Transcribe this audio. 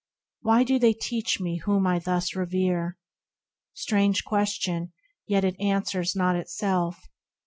Why do they teach me, whom I thus revere ? Strange question, yet it answers not itself.